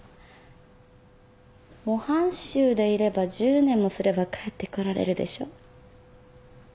模範囚でいれば１０年もすれば帰ってこられるでしょ？